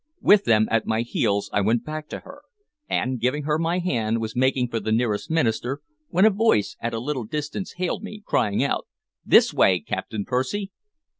With them at my heels I went back to her, and, giving her my hand, was making for the nearest minister, when a voice at a little distance hailed me, crying out, "This way, Captain Percy!"